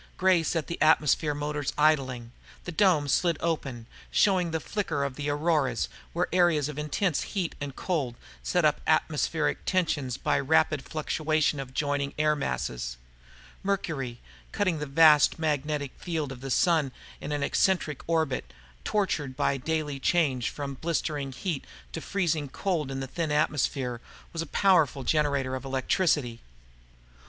Gray set the atmosphere motors idling. The dome slid open, showing the flicker of the auroras, where areas of intense heat and cold set up atmospheric tension by rapid fluctuation of adjoining air masses. Mercury, cutting the vast magnetic field of the Sun in an eccentric orbit, tortured by the daily change from blistering heat to freezing cold in the thin atmosphere, was a powerful generator of electricity.